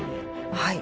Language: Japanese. はい。